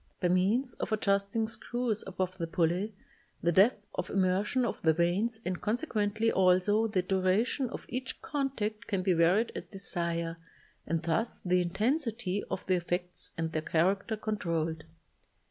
By means of adjust ing screws above the pulley, the depth of immersion of the vanes and consequently, also, the duration of each contact can be varied at desire and thus the intensity of the effects and their character controlled.